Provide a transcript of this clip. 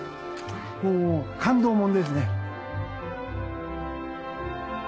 もう感動ものですね。